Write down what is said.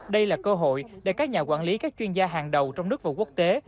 đây là cơ hội để các nhà quản lý các chuyên gia hàng đầu trong nước và quốc tế